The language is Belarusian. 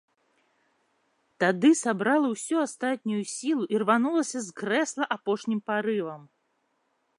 Тады сабрала ўсю астатнюю сілу і рванулася з крэсла апошнім парывам.